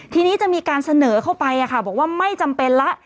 ทีนี้จะมีการเสนอเข้าไปบอกว่าไม่จำเป็นแล้ว